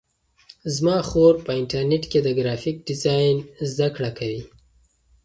زما خور په انټرنیټ کې د گرافیک ډیزاین زده کړه کوي.